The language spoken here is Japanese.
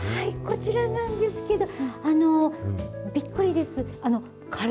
こちらなんですけど、びっくりです。